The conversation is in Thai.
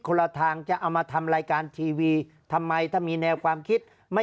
ละทางจะเอามาทำรายการทีวีทำไมถ้ามีแนวความคิดไม่